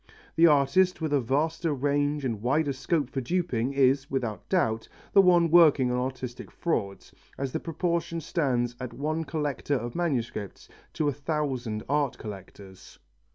The artist with a vaster range and wider scope for duping is, without doubt, the one working on artistic frauds, as the proportion stands at one collector of manuscripts to a thousand art collectors.